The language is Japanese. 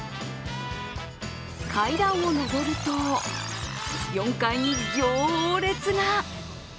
階段を上ると、４階に行列が。